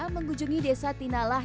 mengunjungi desa tinala